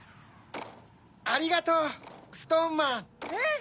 ありがとうストーンマン！